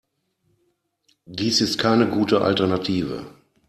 Dies ist keine gute Alternative.